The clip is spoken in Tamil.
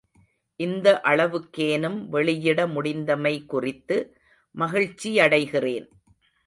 இந்த அளவுக்கேனும் வெளியிட முடிந்தமை குறித்து மகிழ்ச்சியடைகிறேன்.